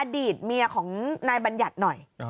อดีตเมียของนายบัญญัติหน่อย